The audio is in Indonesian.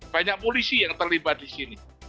banyak polisi yang terlibat di sini